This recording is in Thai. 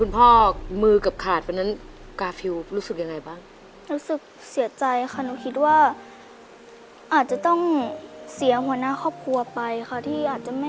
บริมือกับขหาดชนิดที่ใหญ่การแตซี่รู้สึกยังไง